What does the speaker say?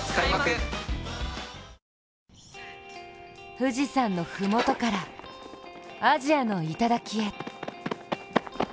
富士山の麓から、アジアの頂へ。